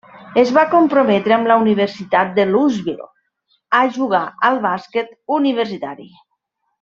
Es va comprometre amb la Universitat de Louisville a jugar al bàsquet universitari.